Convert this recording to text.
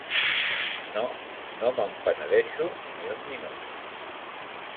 No, no me'n penedeixo ni un minut.